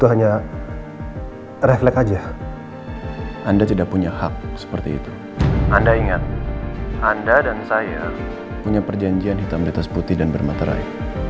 hai anda tidak punya hak seperti itu anda ingat anda dan saya punya perjanjian hitam di tas putih dan bermaterai